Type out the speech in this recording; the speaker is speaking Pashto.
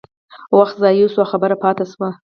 وخت ضایع شو او خبره پاتې شوه.